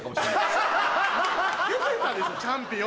出てたでしょチャンピオン。